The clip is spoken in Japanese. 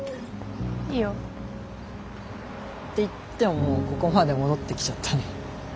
いいよ。って言ってももうここまで戻ってきちゃったね。